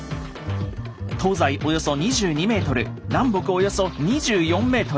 東西およそ２２ｍ南北およそ２４ｍ。